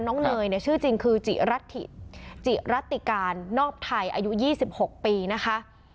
น้องเนยชื่อจริงคือจิรัติการนอบไทยอายุ๒๖ปีนะคะ